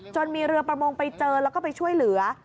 มีเรือประมงไปเจอแล้วก็ไปช่วยเหลือ